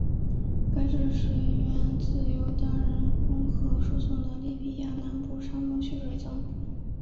该市水源来自由大人工河输送的利比亚南部沙漠蓄水层。